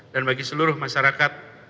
dan bagi seluruh masyarakat